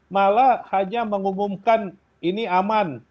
malah hanya mengumumkan ini aman